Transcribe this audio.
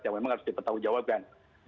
yang memang harus dipertanggungjawabkan